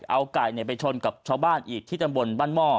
เอาไก่ไปชนกับชาวบ้านอีกที่ตำบลบ้านหม้อ